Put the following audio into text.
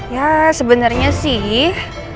ya sebenernya sih